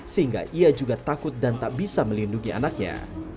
sehingga ia juga takut dan tak bisa melindungi anaknya